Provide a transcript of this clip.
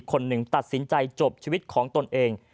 คนหนึ่งตัดสินใจจบชีวิตของตนเอง